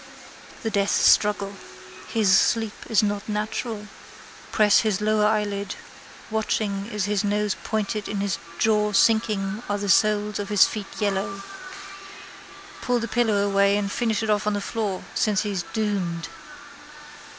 The death struggle. His sleep is not natural. Press his lower eyelid. Watching is his nose pointed is his jaw sinking are the soles of his feet yellow. Pull the pillow away and finish it off on the floor since he's doomed.